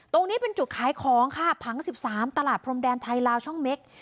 ตรงนี้เป็นจุดขายของค่ะผัง๑๓ตลาดพรมแดนไทยลาวช่องเม็ก